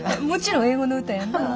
もちろん英語の歌やんな？